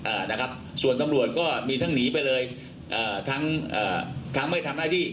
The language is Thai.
อ่านะครับส่วนตำรวจก็มีทั้งหนีไปเลยอ่าทั้งเอ่อทั้งไม่ทำหน้าที่